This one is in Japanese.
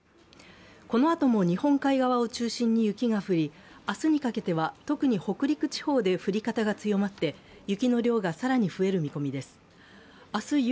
このあとも日本海側を中心に雪が降り、明日にかけては特に北陸地方で降り方が強まって、雪の量が更に増える見込みです。